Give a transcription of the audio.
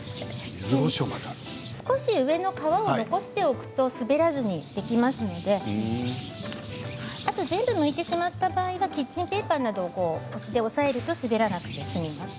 少し上の皮を残しておくと滑らずにできますので全部むいてしまった場合にはキッチンペーパーなどで押さえると滑らなくて済みます。